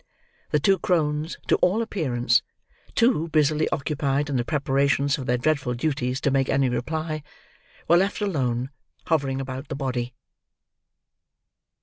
The two crones, to all appearance, too busily occupied in the preparations for their dreadful duties to make any reply, were left alone, hovering about the body.